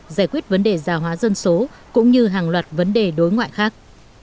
giải quyết vấn đề già hóa dân số cũng như hàng loạt vấn đề đối ngoại khác